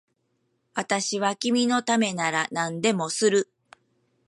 私は君のためなら何でもする